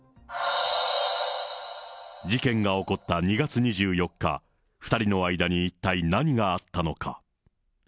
事件が起こった２月２４日、２人の間に一体何があったのか。